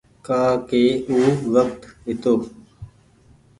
ڪآ ڪي او وکت هيتو۔